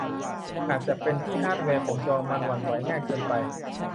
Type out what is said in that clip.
อาจจะเป็นที่ฮาร์ดแวร์ของจอมันหวั่นไหวง่ายเกินไป